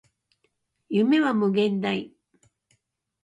夢は無限大